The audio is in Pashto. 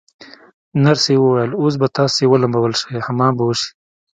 نرسې وویل: اوس به تاسي ولمبول شئ، حمام به وشی.